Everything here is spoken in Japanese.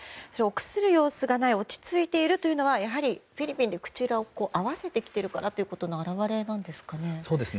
臆する様子がない落ち着いているというのはやはりフィリピンで口裏を合わせてきていることの表れなんですかね。